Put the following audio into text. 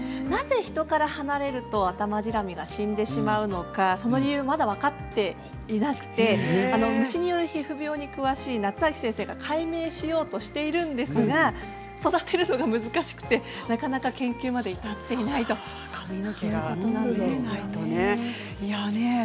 なぜヒトから離れるとアタマジラミが死んでしまうのかその理由、まだ分かっていなくて虫による皮膚病に詳しい夏秋先生が解明しようとしているんですが育てるのは難しくてなかなか研究まで至っていないということなんですよね。